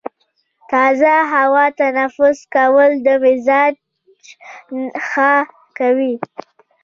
تازه هوا تنفس کول د مزاج ښه کوي.